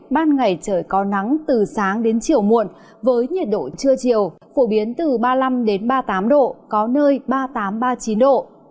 ban ngày trời có nắng từ sáng đến chiều muộn với nhiệt độ trưa chiều phổ biến từ ba mươi năm ba mươi tám độ có nơi ba mươi tám ba mươi chín độ